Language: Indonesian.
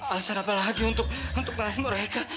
alasan apa lagi untuk melayani mereka